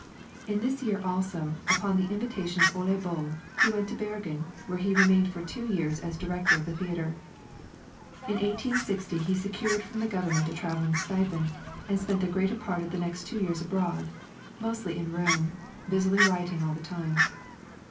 In this year also, upon the invitation of Ole Bull, he went to Bergen, where he remained for two years as director of the theatre. In 1860 he secured from the government a traveling stipend, and spent the greater part of the next two years abroad, mostly in Rome, busily writing all the time.